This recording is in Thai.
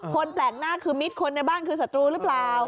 คนแปลกหน้าคือมิตรคนในบ้านคือศัตรูหรือเปล่า